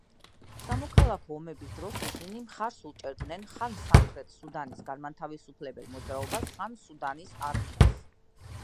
სამოქალაქო ომების დროს ისინი მხარს უჭერდნენ ხან სამხრეთ სუდანის განმათავისუფლებელ მოძრაობას, ხან სუდანის არმიას.